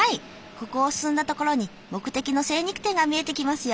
ここを進んだところに目的の精肉店が見えてきますよ。